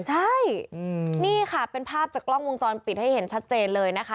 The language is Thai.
ใช่นี่ค่ะเป็นภาพจากกล้องวงจรปิดให้เห็นชัดเจนเลยนะคะ